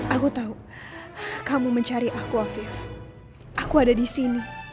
aku tahu kamu mencari aku afif aku ada di sini